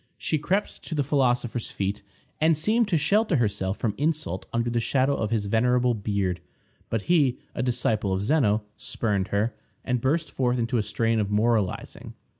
She crept to the philosopher's feet, and seemed to shelter herself from insult under the shadow of his venerable beard; but he, a disciple of Zeno, spurned her, and burst forth into a strain of moralizing.